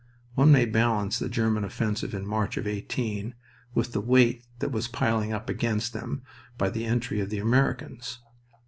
One may balance the German offensive in March of '18 with the weight that was piling up against them by the entry of the Americans.